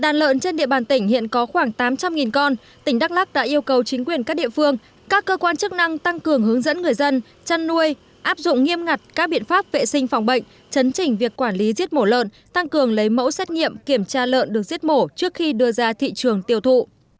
đàn lợn trên địa bàn tỉnh hiện có khoảng tám trăm linh con tỉnh đắk lắc đã yêu cầu chính quyền các địa phương các cơ quan chức năng tăng cường hướng dẫn người dân chăn nuôi áp dụng nghiêm ngặt các biện pháp vệ sinh phòng bệnh chấn trình việc quản lý giết mổ lợn tăng cường lấy mẫu xét nghiệm kiểm tra lợn được giết mổ trước khi đưa ra thị trường tiêu thụ